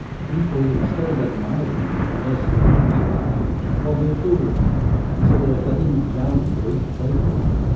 People, instead of admiring me for nursing him back to life, called me a fool, and said that if I didn't drown the brute they would.